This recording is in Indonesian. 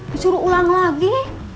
disuruh ulang lagi